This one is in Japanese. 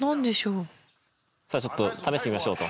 さあちょっと試してみましょうと。